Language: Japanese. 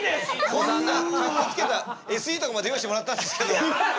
こんなかっこつけたＳＥとかまで用意してもらったんですけど。